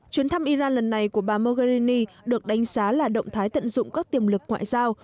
chuyến thăm iran lần này của bà mogherini được đánh giá là động thái tận dụng các tiềm lực ngoại giao